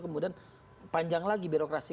kemudian panjang lagi birokrasi